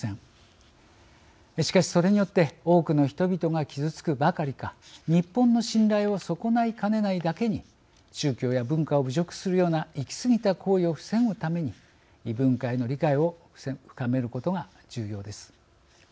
しかしそれによって多くの人々が傷つくばかりか日本の信頼を損ないかねないだけに宗教や文化を侮辱するような行き過ぎた行為を防ぐために異文化への理解を深めることが重要です。